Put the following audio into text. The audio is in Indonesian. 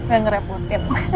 makasih yang ngerepotin